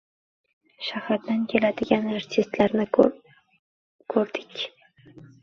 Shahardan keladigan artistlarni ro’rdik.